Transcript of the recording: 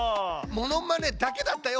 モノマネだけだったよ